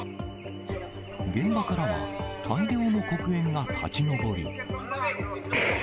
現場からは大量の黒煙が立ち上り。